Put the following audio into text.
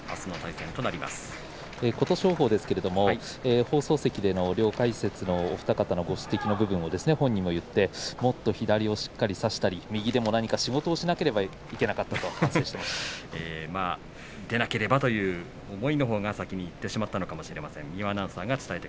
琴勝峰ですけれども放送席での両解説のお二方ご指摘の部分も本人も言っていて左をしっかり残して右でも何か仕事をしなくてはいけなかった出なくてはという思いが先にいってしまったのかもしれません。